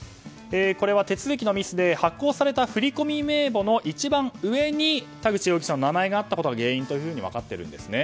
手続きのミスで発行された振り込み名簿の一番上に田口容疑者の名前があったことが原因と分かっているんですね。